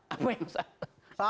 apa yang salah